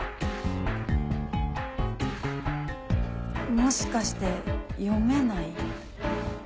もしかして読めない？